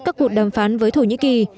các cuộc đàm phán với thổ nhĩ kỳ